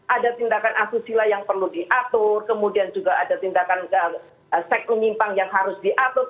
ada tindakan asusila yang perlu diatur kemudian juga ada tindakan seks menyimpang yang harus diatur